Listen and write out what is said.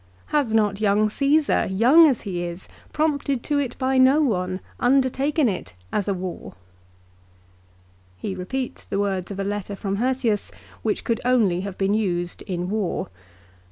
Has not young Cassar, young as he is, prompted to it by no one, undertaken it as a war ?" He repeats the words of a letter from Hirtius which could only have been used in war.